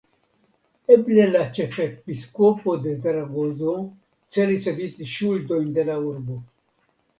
Eble la ĉefepiskopo de Zaragozo celis eviti ŝuldojn de la urbo.